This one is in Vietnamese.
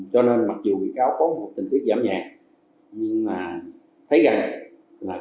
cho nên mặc dù bị cáo có một tình tiết giảm nhẹ nhưng thấy rằng không còn khả năng cải tạo của bị cáo